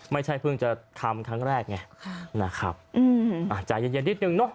ไม่ใช่เพิ่งจะทำครั้งแรกไงนะครับอืมอาจจะเย็นเย็นนิดนึงเนอะ